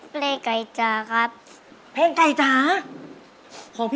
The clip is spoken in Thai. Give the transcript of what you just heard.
เพลงกายจาครับ